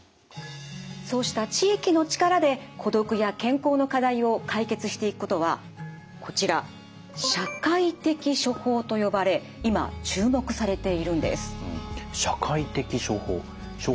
そうした地域の力で孤独や健康の課題を解決していくことはこちら「社会的処方」と呼ばれ今注目されているんです。